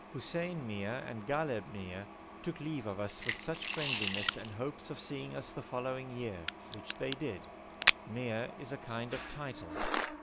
Hussein Mia and Ghalib Mia took leave of us with much friendliness and hopes of seeing us the following year, which they did. Mia is a kind of title.